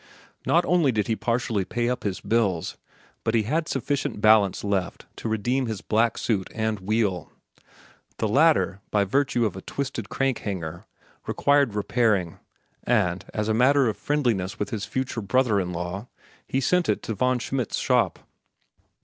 Not only did he partially pay up his bills, but he had sufficient balance left to redeem his black suit and wheel. The latter, by virtue of a twisted crank hanger, required repairing, and, as a matter of friendliness with his future brother in law, he sent it to Von Schmidt's shop.